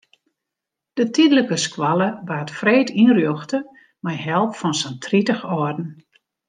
De tydlike skoalle waard freed ynrjochte mei help fan sa'n tritich âlden.